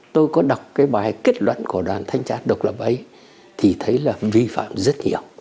tôi có đọc cái bài kết luận của đoàn thanh tra độc lập ấy thì thấy là vi phạm rất nhiều